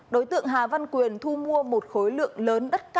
đối tượng hà văn quyền thu mua một khối lượng lớn đất cao